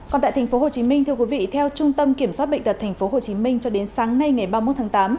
còn tại tp hcm theo trung tâm kiểm soát bệnh tật tp hcm cho đến sáng nay ngày ba mươi một tháng tám